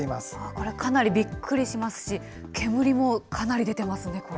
これ、かなりびっくりしますし、煙もかなり出てますね、これ。